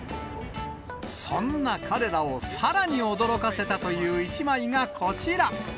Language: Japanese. そんな彼らをさらに驚かせたという１枚がこちら。